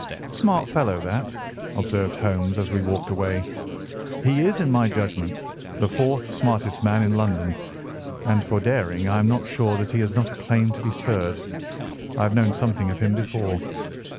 "Smart fellow, that," observed Holmes as we walked away. "He is, in my judgment, the fourth smartest man in London, and for daring I am not sure that he has not a claim to be third. I have known something of him before."